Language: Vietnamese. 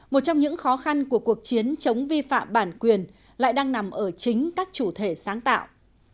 một trong những khó khăn của cuộc chiến chống vi phạm bản quyền lại đang nằm ở chính các chủ thể sáng tạo